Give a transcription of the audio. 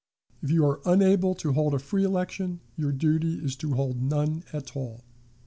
If you are unable to hold a free election, your duty is to hold none at all."